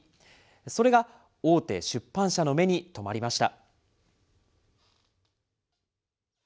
それが、大手出版社の目に留まりました。